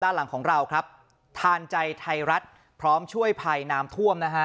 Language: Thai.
หลังของเราครับทานใจไทยรัฐพร้อมช่วยภัยน้ำท่วมนะฮะ